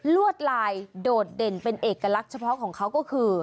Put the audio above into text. วดลายโดดเด่นเป็นเอกลักษณ์เฉพาะของเขาก็คือ